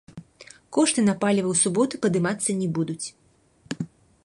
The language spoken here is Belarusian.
Кошты на паліва ў суботу падымацца не будуць.